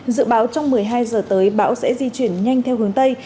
dự báo trong một mươi hai giờ tới bão sẽ di chuyển nhanh theo hướng tây